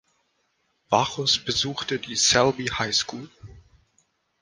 Warchus besuchte die Selby High School.